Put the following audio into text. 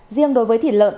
riêng đối với thịt lợn